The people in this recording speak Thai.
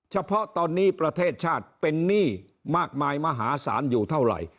เฉพาะตอนนี้ประเทศชาติเป็นหนี้มากมายมหาศาลอยู่เท่าไหร่